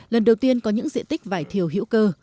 lần đầu tiên có những diện tích vải thiều hữu cơ